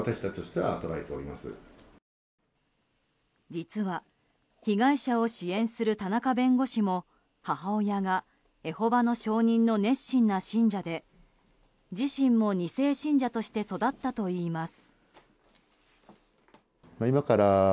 実は、被害者を支援する田中弁護士も母親がエホバの証人の熱心な信者で自身も２世信者として育ったといいます。